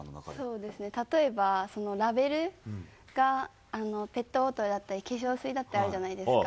例えば、ラベルがペットボトルだったり、化粧水だったりあるじゃないですか。